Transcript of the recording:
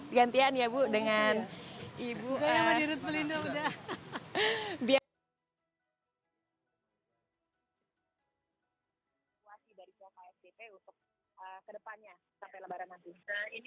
digantian ya bu dengan